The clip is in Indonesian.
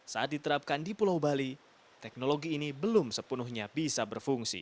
saat diterapkan di pulau bali teknologi ini belum sepenuhnya bisa berfungsi